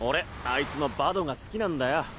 あいつのバドが好きなんだよ。